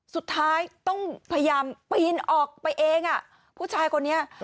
สุดท้ายต้องพยายามปีนออกไปเองอ่ะผู้ชายคนนี้